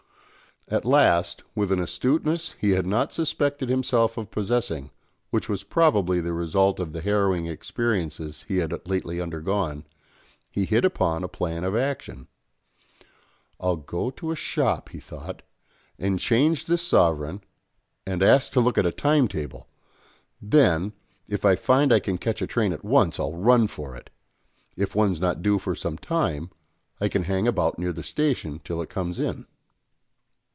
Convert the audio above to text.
At last, with an astuteness he had not suspected himself of possessing, which was probably the result of the harrowing experiences he had lately undergone, he hit upon a plan of action. "I'll go to a shop," he thought, "and change this sovereign, and ask to look at a timetable then, if I find I can catch a train at once, I'll run for it; if one is not due for some time, I can hang about near the station till it comes in."